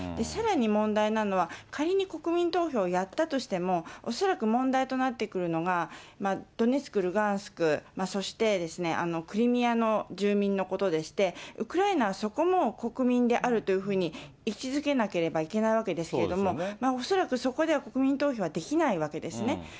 さらに問題なのは、仮に国民投票をやったとしても、恐らく問題となってくるのが、ドネツク、ルガンスク、そしてクリミアの住民のことでして、ウクライナはそこも国民であるというふうに位置づけなければいけないわけですけれども、恐らくそこでは国民投票はできないわけですね。